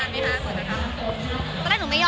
มันเหมือนกับมันเหมือนกับมันเหมือนกับ